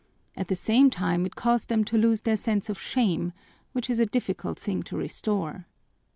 At the same time it caused them to lose their sense of shame, which is a difficult thing to restore.